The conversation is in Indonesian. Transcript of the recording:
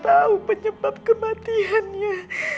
tahu penyebab kematiannya